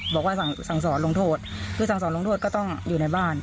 บอกว่าสั่งสอนลงโทษคือสั่งสอนลงโทษก็ต้องอยู่ในบ้าน